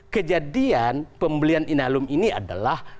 kejadian pembelian inalum ini adalah